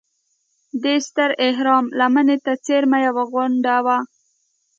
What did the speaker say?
دې ستر اهرام لمنې ته څېرمه یوه غونډه وه.